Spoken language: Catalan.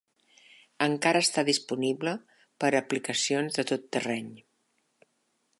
Encara està disponible per a aplicacions de tot terreny.